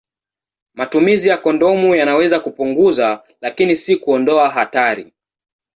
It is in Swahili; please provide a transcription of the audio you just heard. Matumizi ya kondomu yanaweza kupunguza, lakini si kuondoa hatari.